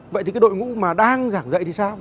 vậy thì cái đội ngũ mà đang giảng dạy thì sao